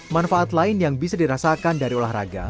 manfaat lain yang bisa dirasakan dari olahraga